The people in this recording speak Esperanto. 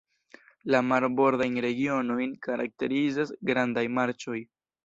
La marbordajn regionojn karakterizas grandaj marĉoj.